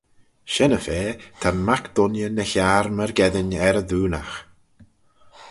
Shen-y-fa ta'n mac dooinney ny hiarn myrgeddin er y doonaght.